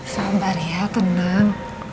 samar ya tenang